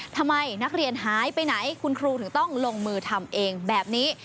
ทำไมนักเรียนหายไปไหนคุณครูถึงต้องลงมือทำเองแบบนี้